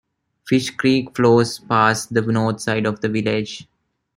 Fish Creek flows past the north side of the village.